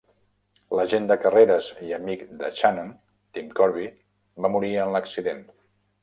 L'agent de carreres i amic de Channon, Tim Corby, va morir en l'accident.